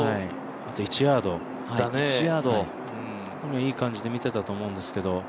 １ヤード、いい感じで見てたと思うんですけど。